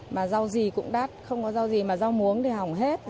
mà rau gì cũng đắt không có rau gì mà rau muống để hỏng hết